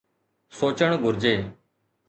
سوچڻ گهرجي.